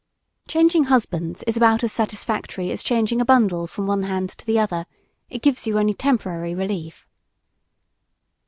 Changing husbands is about as satisfactory as changing a bundle from one hand to the other; it gives you only temporary relief.